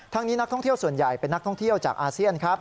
นี้นักท่องเที่ยวส่วนใหญ่เป็นนักท่องเที่ยวจากอาเซียนครับ